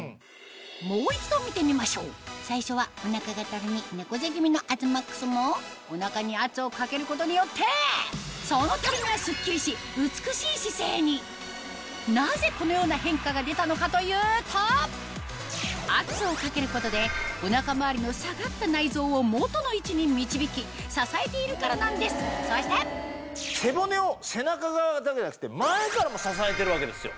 もう一度見てみましょう最初はお腹がたるみ猫背気味の東ＭＡＸもお腹に圧をかけることによってそのたるみはスッキリし美しい姿勢になぜこのような変化が出たのかというと圧をかけることでお腹周りのそして背骨を背中側だけじゃなくて前からも支えてるわけですよ。